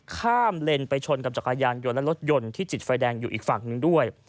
ข้ามเลนไปชนกับจักรยานยนต์และรถยนต์ที่ติดไฟแดงอยู่อีกฝั่งหนึ่งด้วย